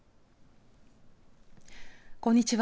こんにちは。